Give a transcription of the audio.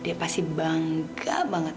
dia pasti bangga banget